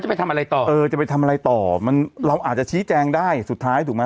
เค้าจะไปทำอะไรต่อเราอาจจะขี้แจงได้สุดท้ายถูกมั้ย